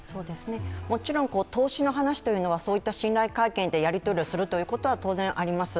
もちろん投資の話というのはそういった信頼関係でやりとりするというところは、当然、あります。